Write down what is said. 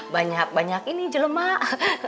banyak banyak ini jeluh mak